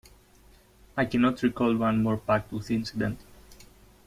I cannot recall one more packed with incident.